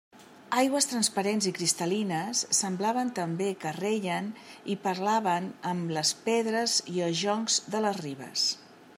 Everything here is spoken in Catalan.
Aigües transparents i cristal·lines semblaven també que reien i parlaven amb les pedres i els joncs de les ribes.